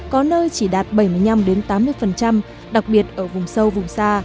có nơi chỉ đạt bảy mươi năm tám mươi đặc biệt ở vùng sâu vùng xa